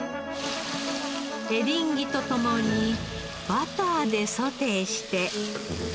エリンギと共にバターでソテーして。